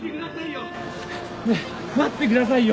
ねえ待ってくださいよ。